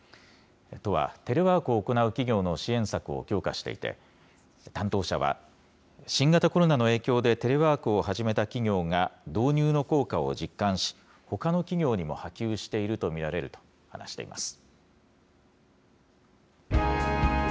都は、テレワークを行う企業の支援策を強化していて、担当者は、新型コロナの影響でテレワークを始めた企業が、導入の効果を実感し、ほかの企業にも波及していると見られると話しています。